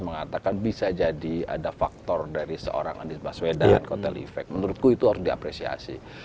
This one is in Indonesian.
dikatakan bisa jadi ada faktor dari seorang andis baswedan kotelifek menurutku itu harus diapresiasi